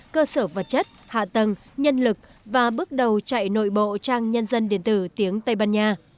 cơ sở vật chất hạ tầng nhân lực và bước đầu chạy nội bộ trang nhân dân điện tử tiếng tây ban nha